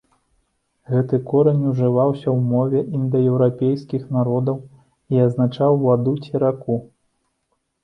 Гэты корань ужываўся ў мове індаеўрапейскіх народаў і азначаў ваду ці, раку.